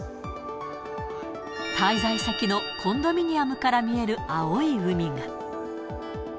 滞在先のコンドミニアムから見える青い海が。